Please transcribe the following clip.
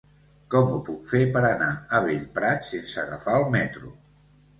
Com ho puc fer per anar a Bellprat sense agafar el metro?